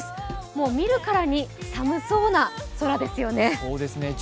もう見るからに寒そうな空ですよね。